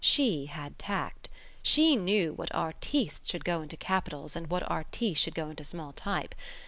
She had tact. She knew what artistes should go into capitals and what artistes should go into small type.